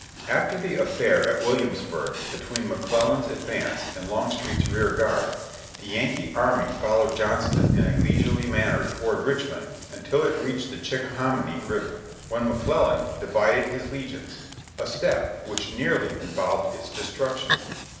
After the affair at Williamsburg between McClellan's advance and Longstreet's rear guard, the Yankee army followed Johnston in a leisurely manner toward Richmond until it reached the Chickahominy River, when McClellan divided his legions ; a step which nearly involved its destruction.